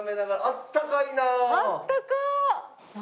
あったか！